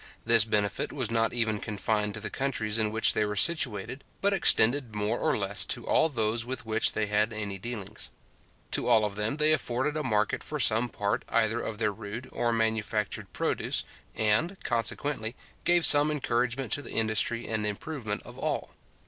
This benefit was not even confined to the countries in which they were situated, but extended more or less to all those with which they had any dealings. To all of them they afforded a market for some part either of their rude or manufactured produce, and, consequently, gave some encouragement to the industry and improvement of all.